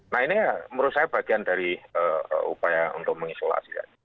nah ini menurut saya bagian dari upaya untuk mengisolasi